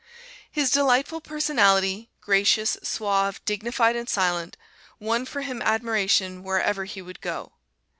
His delightful personality gracious, suave, dignified and silent won for him admiration wherever he would go.